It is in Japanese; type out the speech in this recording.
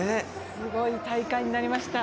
すごい大会になりました。